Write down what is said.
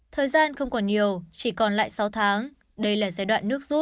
thời gian không còn nhiều chỉ còn lại sáu tháng đây là giai đoạn nước rút